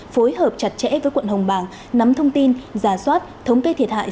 phối hợp chặt chẽ với quận hồng bàng nắm thông tin giả soát thống kê thiệt hại